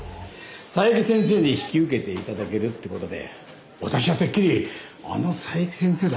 佐伯先生に引き受けていただけるってことで私はてっきりあの佐伯先生だと思ってたんですよ。